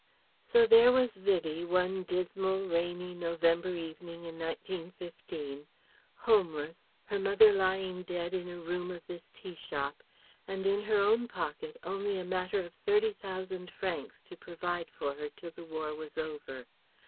So there was Vivie, one dismal, rainy November evening in 1915; homeless, her mother lying dead in a room of this tea shop, and in her own pocket only a matter of thirty thousand francs to provide for her till the War was over.